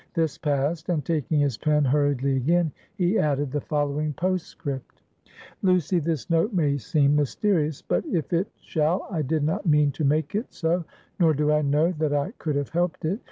This passed; and taking his pen hurriedly again, he added the following postscript: "Lucy, this note may seem mysterious; but if it shall, I did not mean to make it so; nor do I know that I could have helped it.